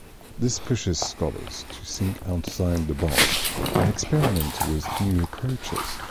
This pushes scholars to think outside the box and experiment with new approaches.